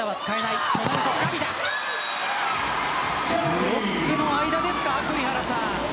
ブロックの間ですか、栗原さん。